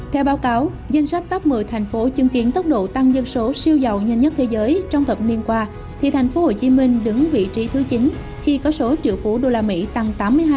theo báo cáo danh sách top một mươi thành phố chứng kiến tốc độ tăng dân số siêu giàu nhanh nhất thế giới trong thập niên qua thì tp hcm đứng vị trí thứ chín khi có số triệu phú đô la mỹ tăng tám mươi hai